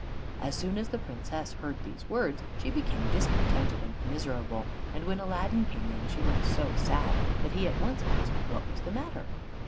As soon as the Princess heard these words she became discontented and miserable, and when Aladdin came in, she looked so sad that he at once asked what was the matter.